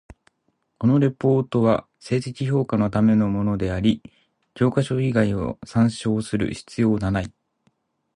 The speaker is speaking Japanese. このレポートは成績評価のためのものであり、教科書以外を参照する必要なない。